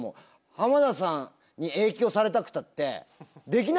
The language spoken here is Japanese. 浜田さんに影響されたくたってできないから。